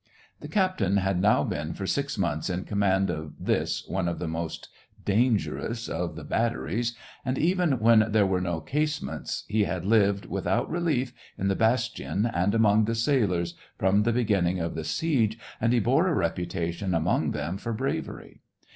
The captain had now been for six months in command of this, one of the most dangerous of the batteries — and even when there were no case mates he had lived, without relief, in the bastion and among the sailors, from the beginning of the siege, and he bore a reputation among them for bravery.